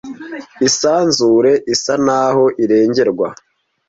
isanzure isa naho irengerwa